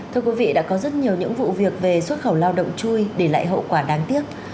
thưa quý vị đã có rất nhiều những vụ việc về xuất khẩu lao động chui để lại hậu quả đáng tiếc